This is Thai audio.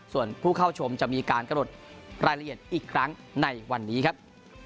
ส่วนผู้เข้าชมจะมีการกำหนดรายละเอียดอีกครั้งในวันนี้ครับ